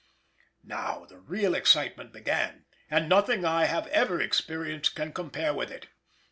Now the real excitement began, and nothing I have ever experienced can compare with it.